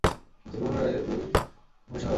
তিনি ছিলেন ভুবনমোহিনী দেবী ও হরিশচন্দ্র রায়ের পুত্র।